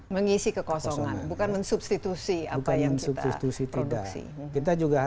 mengisi kekosongan bukan mensubstitusi apa yang kita produksi